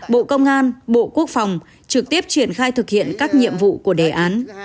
bộ công an bộ quốc phòng trực tiếp triển khai thực hiện các nhiệm vụ của đề án